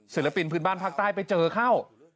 ศิลปินพื้นบ้านภาคใต้ไปเจอเข้า